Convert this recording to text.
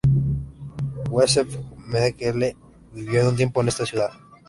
Josef Mengele vivió un tiempo en esta ciudad.